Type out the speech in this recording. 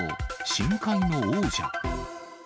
深海の王者。